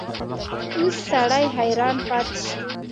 اوس سړی حیران پاتې شي.